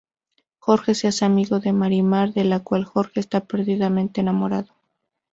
Jorge se hace amigo de Marimar, de la cual Jorge esta perdidamente enamorado.